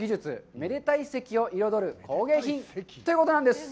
めでたい席を彩る工芸品ということなんです。